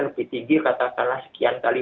lebih tinggi katakanlah sekian kali